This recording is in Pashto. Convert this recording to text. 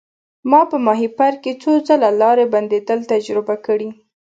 ما په ماهیپر کې څو ځله لارې بندیدل تجربه کړي.